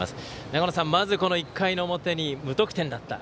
長野さん、まず１回の表に無得点だった。